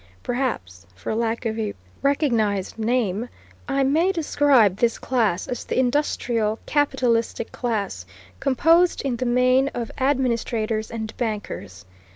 Perhaps, for lack of a recognized name, I may describe this class as the industrial capitalistic class, composed in the main of administrators and bankers.